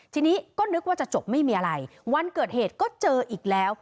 ทีนี้ก็นึกว่าจะจบไม่มีอะไรวันเกิดเหตุก็เจออีกแล้ว